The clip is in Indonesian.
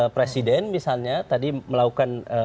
presiden misalnya tadi melakukan